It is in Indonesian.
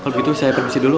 kalau begitu saya pergi dulu